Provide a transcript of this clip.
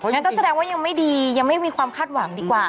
งั้นก็แสดงว่ายังไม่ดียังไม่มีความคาดหวังดีกว่า